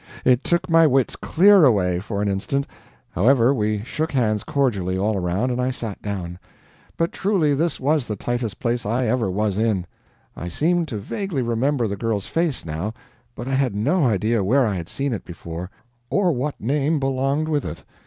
It took my wits clear away, for an instant. However, we shook hands cordially all around, and I sat down. But truly this was the tightest place I ever was in. I seemed to vaguely remember the girl's face, now, but I had no idea where I had seen it before, or what name belonged with it.